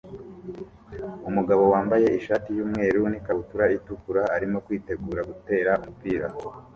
Umugabo wambaye ishati yumweru n'ikabutura itukura arimo kwitegura gutera umupira